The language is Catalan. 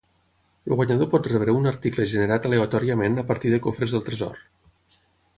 El guanyador pot rebre un article generat aleatòriament a partir de cofres del tresor.